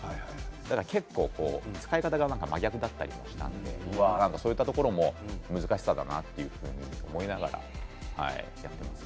結構、使い方が真逆だったりするのでそういったところも難しさだなというふうに思いながらやっています。